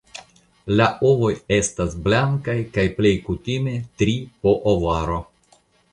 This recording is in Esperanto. La ovoj estas blankaj kaj plej kutime tri po ovaro.